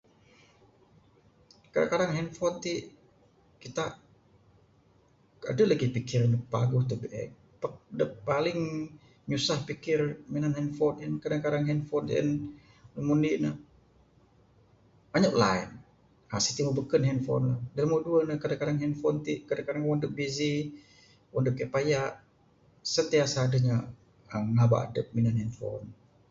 Kadang kadang handphone ti kita deh legi pikir paguh dak biek. Pak dak paling nyusah pikir mina handphone en, kadang kadang handphone en nombor indi ne inyap line sitik moh beken handphone. Dak nombor duweh ti kadang kadang wang dep busy wang dep kai peyak sentiasa deh inya ngaba dep minan handphone.